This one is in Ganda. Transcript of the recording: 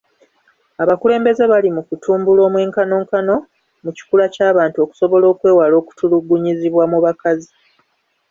Abakulembeze bali mu kutumbula omwenkanonkano mu kikula ky'abantu okusobola okwewala okutulugunyizibwa mu bakazi.